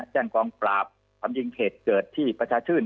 แจ้งกองปราบความจริงเหตุเกิดที่ประชาชื่น